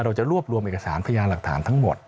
เราจะรวบรวมเอกสารพยานหลักฐานทั้งหมด